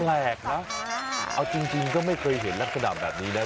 แปลกนะเอาจริงก็ไม่เคยเห็นลักษณะแบบนี้นะ